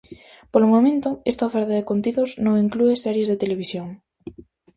Polo momento esta oferta de contidos non inclúe series de televisión.